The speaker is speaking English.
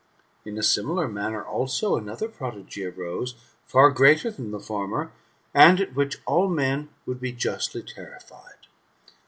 In a similar manner also, another prodigy arose, for greater than the former, and at which all men would be justly terrified.